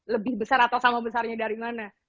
lebih besar atau sama besarnya dari mana